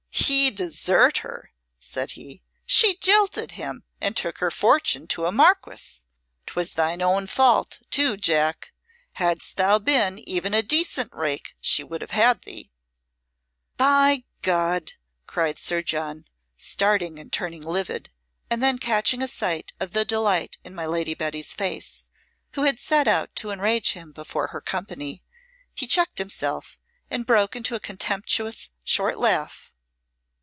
"He desert her!" said he. "She jilted him and took her fortune to a Marquis! 'Twas thine own fault, too, Jack. Hadst thou been even a decent rake she would have had thee." "By God!" cried Sir John, starting and turning livid; and then catching a sight of the delight in my Lady Betty's face, who had set out to enrage him before her company, he checked himself and broke into a contemptuous, short laugh.